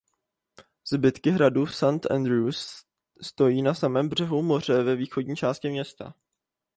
Zbytky hradu v St Andrews stojí na samém břehu moře ve východní části města.